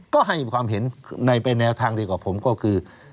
ก็ให้ความเห็นในเป็นแนวทางดีกว่าผมก็คือ